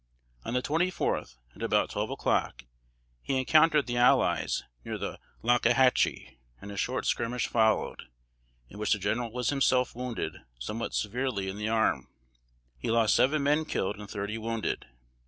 On the twenty fourth, at about twelve o'clock, he encountered the "allies," near the "Locka Hatchee," and a short skirmish followed, in which the General was himself wounded somewhat severely in the arm. He lost seven men killed and thirty wounded.